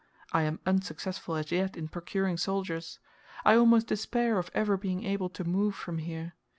I am unsuccessful as yet in procuring soldiers. I almost despair of ever being able to move from here.